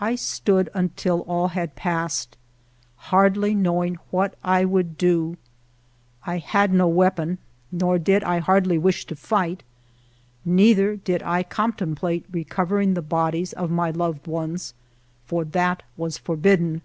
I stood until all had passed, hardly know ing what I would do — I had no weapon, nor did I hardly wish to fight, neither did I con template recovering the bodies of my loved ones, for that was forbidden.